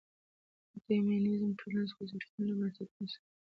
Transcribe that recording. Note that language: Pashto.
د فيمنيزم د ټولنيزو خوځښتونو له بنسټونو سره